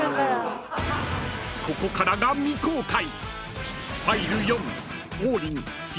［ここからが未公開］